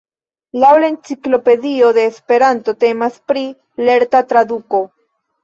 Laŭ la Enciklopedio de Esperanto temas pri "lerta traduko".